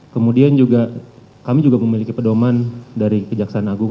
kemudian kami juga memiliki perdoman dari kejaksaan agung